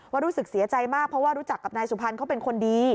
รู้สึกเสียใจมากเพราะว่ารู้จักกับนายสุพรรณเขาเป็นคนดี